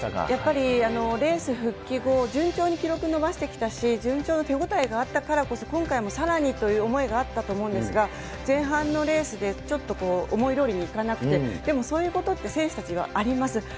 やっぱり、レース復帰後、順調に記録伸ばしてきたし、順調、手応えがあったからこそ、今回もさらにという思いがあったと思うんですが、前半のレースでちょっと思いどおりにいかなくて、でもそういうことって選手たちにはあります。